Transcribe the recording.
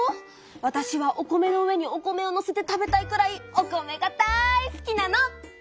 わたしはお米の上にお米をのせて食べたいくらいお米がだい好きなの！